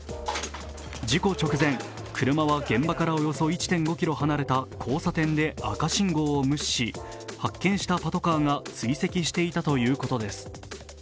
事故直前、車は現場からおよそ１．５ｋｍ離れた交差点で赤信号を無視し、発見したパトカーが追跡していたということです。